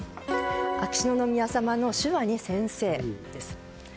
秋篠宮さまの手話に先生です。